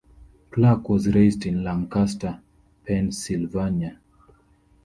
Cluck was raised in Lancaster, Pennsylvania.